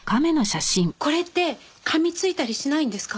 これって噛み付いたりしないんですか？